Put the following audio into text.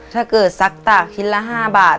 ถ้าเกิดซักตากชิ้นละ๕บาท